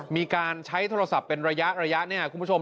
มีการใช้โทรศัพท์เป็นระยะเนี่ยคุณผู้ชม